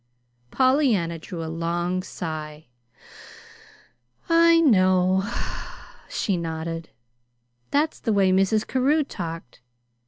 Pollyanna drew a long sigh. "I know," she nodded. "That's the way Mrs. Carew talked.